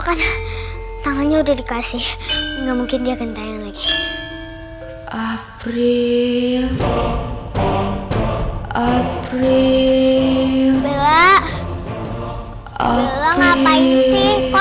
kan tangannya udah dikasih enggak mungkin dia ganteng lagi april april bella ngapain sih kok